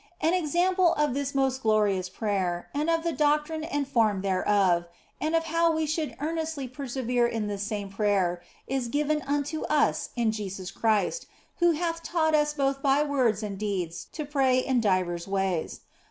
An example of this most glorious prayer and of the doctrine and form thereof, and of how we should earnestly persevere in this same prayer, is given unto us in Jesus Christ, who hath taught us both by words and deeds to pray in divers ways.